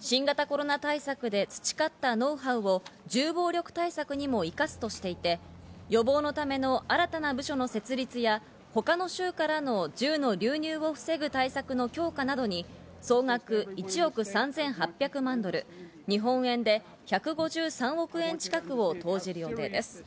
新型コロナ対策で培ったノウハウを銃暴力対策にも生かすとしていて、予防のための新たな部署の設立や他の州からの銃の流入を防ぐ対策の強化などに総額１億３８００万ドル、日本円で１５３億円近くを投じる予定です。